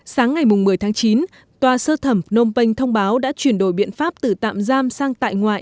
sáng ngày một mươi tháng chín tòa sơ thẩm phnom penh thông báo đã chuyển đổi biện pháp từ tạm giam sang tại ngoại